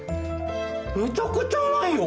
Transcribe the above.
めちゃくちゃうまいよ！